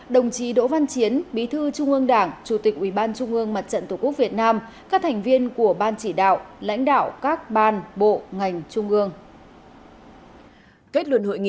đồng chí đỗ văn chiến bí thư trung ương đảng chủ tịch ubnd mặt trận tổ quốc việt nam các thành viên của ban chỉ đạo lãnh đạo các ban bộ ngành trung ương